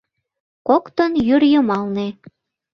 Коктын — йӱр йымалне.